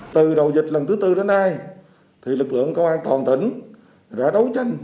từ đầu dịch lần thứ tư đến nay lực lượng công an toàn tỉnh đã đấu tranh